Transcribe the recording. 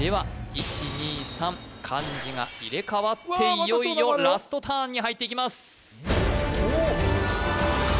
１２３漢字が入れ替わっていよいよラストターンに入っていきます